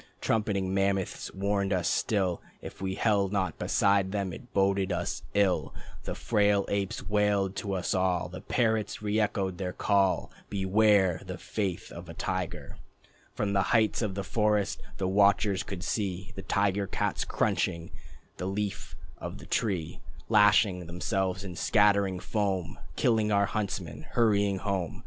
Trumpeting mammoths warning us still If we held not beside them it boded us ill. The frail apes wailed to us all, The parrots reëchoed the call: "Beware of the faith of a tiger." From the heights of the forest the watchers could see The tiger cats crunching the Leaf of the Tree Lashing themselves, and scattering foam, Killing our huntsmen, hurrying home.